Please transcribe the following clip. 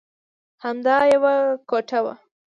همدا یوه کوټه وه.